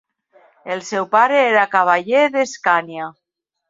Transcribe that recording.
El seu pare era cavaller d'Escània.